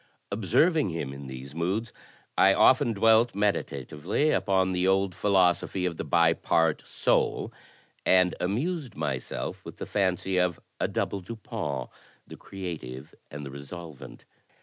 Observ ing him in these moods, I often dwelt meditatively upon the old philosophy of the Bi Part Soul, and amused myself with the fancy of a double Dupin — the creative and the resolvent.